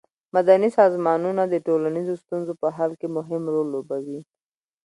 مدني سازمانونه د ټولنیزو ستونزو په حل کې مهم رول لوبوي.